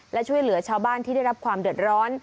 และช่วยเหลือชาวบ้านที่ได้รับความเดือดร้อน